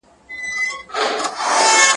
اور د خپلي لمني بلېږي.